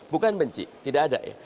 bukan benci tidak ada ya